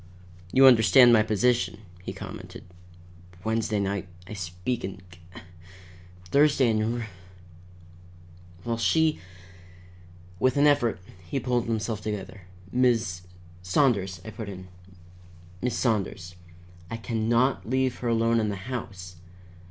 "You understand my position," he commented. "Wednesday night I speak in C , Thursday, in R , while she " With an effort he pulled himself together. "Miss " "Saunders," I put in. "Miss Saunders, I can not leave her alone in the house.